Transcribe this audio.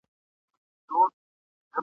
دي خو پر هغوی باندي ..